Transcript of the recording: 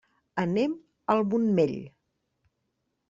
Anem al Montmell.